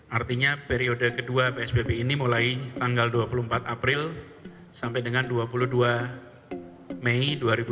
artinya periode kedua psbb ini mulai tanggal dua puluh empat april sampai dengan dua puluh dua mei dua ribu dua puluh